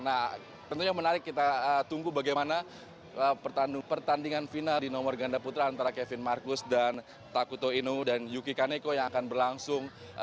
nah tentunya menarik kita tunggu bagaimana pertandingan final di nomor ganda putra antara kevin marcus dan takuto inu dan yuki kaneko yang akan berlangsung